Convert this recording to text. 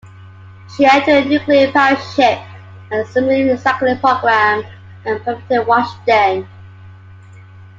She entered the Nuclear-Powered Ship and Submarine Recycling Program at Bremerton, Washington.